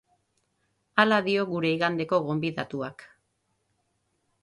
Hala dio gure igandeko gonbidatuak.